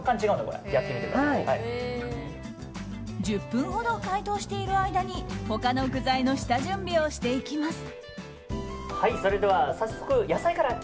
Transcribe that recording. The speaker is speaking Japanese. １０分ほど解凍している間に他の具材の下準備をしていきます。